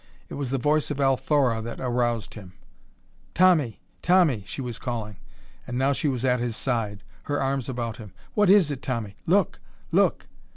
It was the voice of Althora that aroused him: "Tommy! Tommy!" she was calling, and now she was at his side, her arms about him. "What is it, Tommy? Look! Look!"